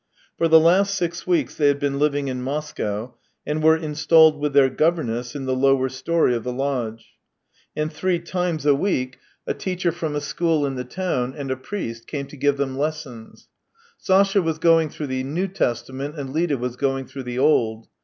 For the last six weeks they had been living in Mo ^cow, and were installed with their governess in the lower storey of the lodge. And three times a week 246 THE TALES OF TCHEHOV a teacher from a school in the town, and a priest, came to give them lessons. Sasha was going through the New Testament and Lida was going through the Old.